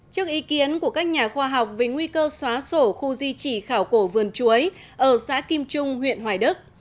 trước ý kiến của các nhà khoa học về nguy cơ xóa sổ khu di trì khảo cổ vườn chuối ở xã kim trung huyện hoài đức